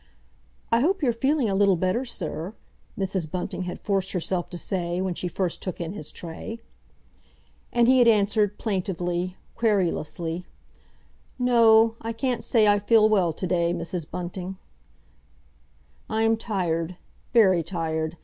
"I hope you're feeling a little better, sir," Mrs. Bunting had forced herself to say when she first took in his tray. And he had answered plaintively, querulously, "No, I can't say I feel well to day, Mrs. Bunting. I am tired—very tired.